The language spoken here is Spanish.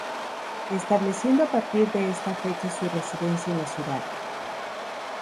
Estableciendo a partir de esta fecha su residencia en la ciudad.